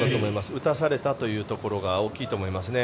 打たされたというところが大きいと思いますね。